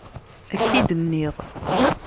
Akka i d-nniɣ.